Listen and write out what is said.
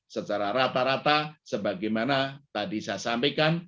secara rata rata sebagaimana tadi saya sampaikan